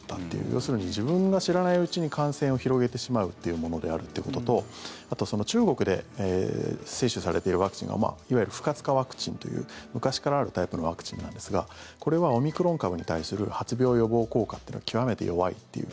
要するに自分が知らないうちに感染を広げてしまうというものであるということとあと中国で接種されているワクチンがいわゆる不活化ワクチンという昔からあるタイプのワクチンなんですがこれはオミクロン株に対する発病予防効果というのは極めて弱いという。